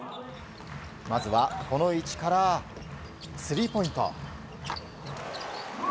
まずはこの位置からスリーポイント。